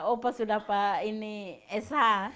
opa sudah ini sh